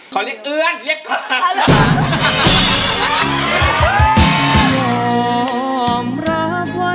ขอเรียกเอื้อนเรียกขาน